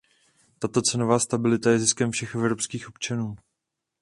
Tato cenová stabilita je ziskem všech evropských občanů.